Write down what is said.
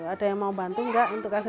ada yang mau bantu enggak untuk kasus ini